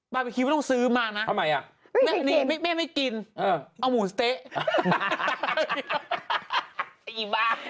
บาร์เบคีย์ไม่ต้องซื้อมานะไม่เคยกินเอาหมูสเต๊ะมา